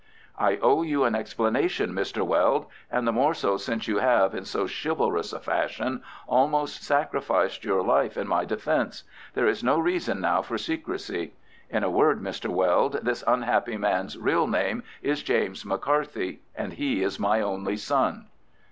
"I owe you an explanation, Mr. Weld—and the more so since you have, in so chivalrous a fashion, almost sacrificed your life in my defence. There is no reason now for secrecy. In a word, Mr. Weld, this unhappy man's real name is James McCarthy, and he is my only son."